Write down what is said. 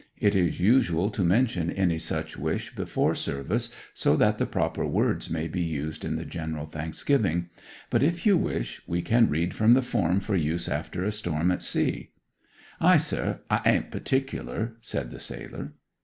It is usual to mention any such wish before service, so that the proper words may be used in the General Thanksgiving. But, if you wish, we can read from the form for use after a storm at sea.' 'Ay, sure; I ain't particular,' said the sailor.